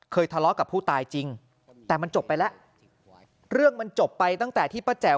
ทะเลาะกับผู้ตายจริงแต่มันจบไปแล้วเรื่องมันจบไปตั้งแต่ที่ป้าแจ๋ว